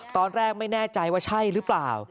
ตอนแรกไม่แน่ใจว่าใช่หรือเปล่า